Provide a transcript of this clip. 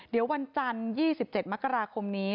เดี๋ยววันจันทร์๒๗มกราคมนี้